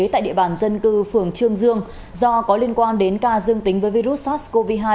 tại địa bàn dân cư phường trương dương do có liên quan đến ca dương tính với virus sars cov hai